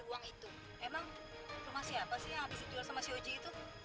kamu ngapain di sini